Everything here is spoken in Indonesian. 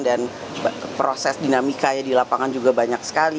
dan proses dinamika di lapangan juga banyak sekali